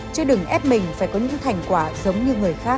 chứ đừng ép mình phải có những thành quả giống như người khác